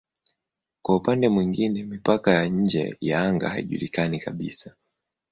Kwa upande mwingine mipaka ya nje ya anga haijulikani kabisa.